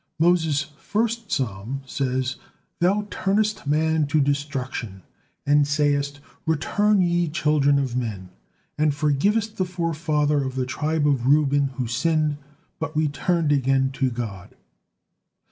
Moses' first psalms says, "'Thou turnest man to destruction; and sayest, Return, ye children of men,' and forgivest the forefather of the tribe of Reuben who sinned, but returned again to God."